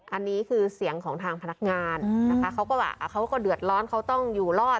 อันนี้คือเสียงของทางพนักงานนะคะเขาก็ว่าเขาก็เดือดร้อนเขาต้องอยู่รอด